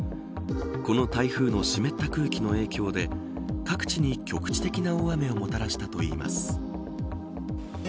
この台風の湿った空気の影響で各地に局地的な大雨をもたらしたといいます。